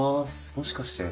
もしかして？